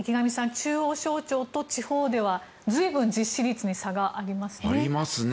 中央省庁と地方では随分実施率に差がありますね。